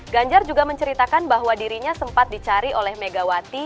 ganjar juga menceritakan bahwa dirinya sempat dicari oleh megawati